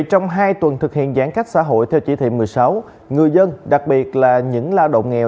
trong hai tuần thực hiện giãn cách xã hội theo chỉ thị một mươi sáu người dân đặc biệt là những lao động nghèo